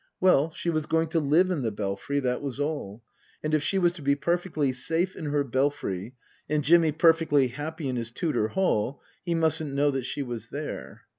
Well, she was going to live in the Belfry, that was all. And if she was to be perfectly safe in her Belfry, and Jimmy perfectly happy in his Tudor hall, he mustn't know that she was there.